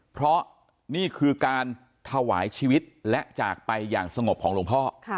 เพราะนี่คือการถวายชีวิตและจากไปอย่างสงบของหลวงพ่อ